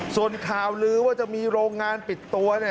ส่วนข่าวลือว่าจะมีโรงงานปิดตัว